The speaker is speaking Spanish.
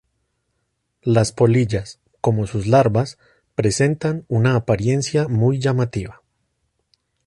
Las polillas, como sus larvas, presentan una apariencia muy llamativa.